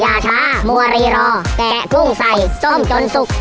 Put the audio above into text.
อย่าช้ามัวรีรอแกะกุ้งใส่ส้มจนสุก